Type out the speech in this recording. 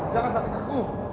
jangan saksikan aku